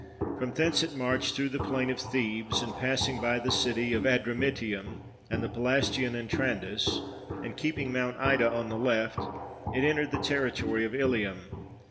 From thence it marched through the plain of Thebes, and passing by the city of Adramyttium and the Pelasgian Antrandus, and keeping Mount Ida on the left, it entered the terri tory of IHum.